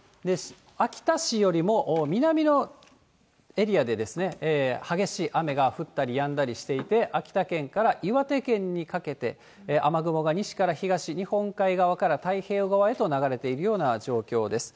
秋田市よりも南のエリアで激しい雨が降ったりやんだりしていて、秋田県から岩手県にかけて、雨雲が西から東、日本海側から太平洋側へと流れているような状況です。